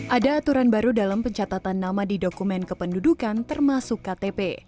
ada aturan baru dalam pencatatan nama di dokumen kependudukan termasuk ktp